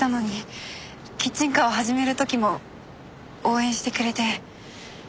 キッチンカーを始める時も応援してくれて。